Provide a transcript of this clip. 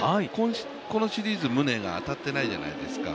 このシリーズ、宗が当たってないじゃないですか。